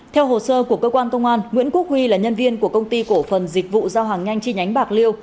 theo hồ sơ của cơ quan công an nguyễn quốc huy là nhân viên của công ty cổ phần dịch vụ giao hàng nhanh chi nhánh bạc liêu